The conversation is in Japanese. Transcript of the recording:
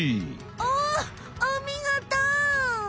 おおみごと！